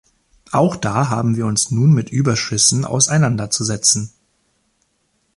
Auch da haben wir uns nun mit Überschüssen auseinanderzusetzen.